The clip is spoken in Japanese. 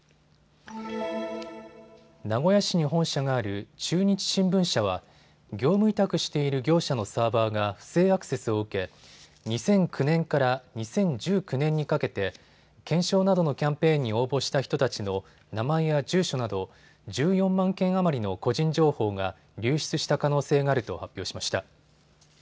名古屋市に本社がある中日新聞社は業務委託している業者のサーバーが不正アクセスを受け２００９年から２０１９年にかけて懸賞などのキャンペーンに応募した人たちの名前や住所など１４万件余りの個人情報が流出した可能性があると発表しました。